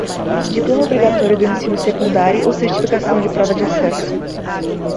Diploma obrigatório do ensino secundário ou certificação de prova de acesso.